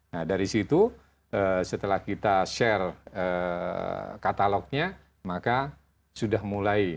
nah dari situ setelah kita share katalognya maka sudah mulai